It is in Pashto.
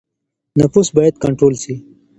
نفوس بايد کنټرول سي.